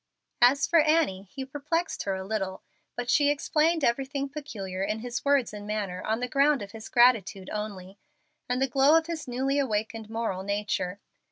As for Annie, he perplexed her a little, but she explained everything peculiar in his words and manner on the ground of his gratitude only, and the glow of his newly awakened moral nature.